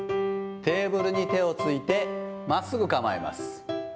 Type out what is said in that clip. テーブルに手をついて、まっすぐ構えます。